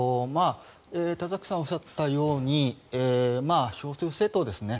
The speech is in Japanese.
田崎さんがおっしゃったように少数政党ですね。